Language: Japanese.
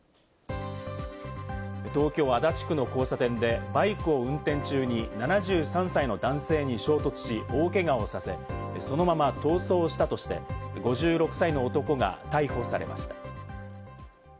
東京・足立区の交差点でバイクを運転中に７３歳の男性に衝突し、大けがをさせ、そのまま逃走したとして５６歳の男が逮捕されました。